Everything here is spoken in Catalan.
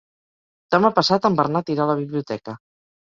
Demà passat en Bernat irà a la biblioteca.